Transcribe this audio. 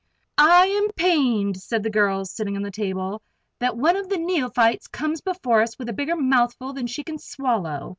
"I am pained," said the girl sitting on the table, "that one of the neophytes comes before us with a bigger mouthful than she can swallow.